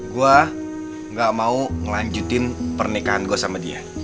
gue gak mau ngelanjutin pernikahan gue sama dia